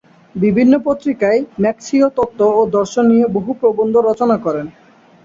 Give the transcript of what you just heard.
বিভিন্ন পত্রিকায় মার্ক্সীয় তত্ত্ব ও দর্শন নিয়ে বহু প্রবন্ধ রচনা করেন।